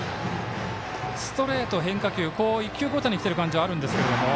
ストレート、変化球１球ごとに来ている感じはあるんですが。